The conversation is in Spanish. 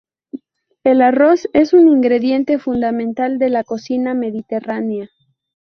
El arroz es un ingrediente fundamental de la cocina mediterránea.